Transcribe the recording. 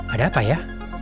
ada apa ya